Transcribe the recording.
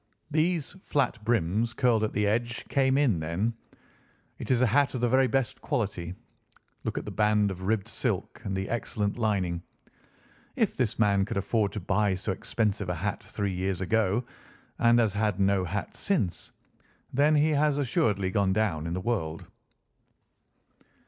These flat brims curled at the edge came in then. It is a hat of the very best quality. Look at the band of ribbed silk and the excellent lining. If this man could afford to buy so expensive a hat three years ago, and has had no hat since, then he has assuredly gone down in the world."